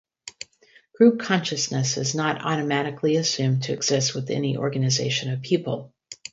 Group consciousness is not automatically assumed to exist with any organization of people.